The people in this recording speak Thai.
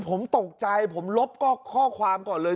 ผมตกใจผมลบข้อความก่อนเลย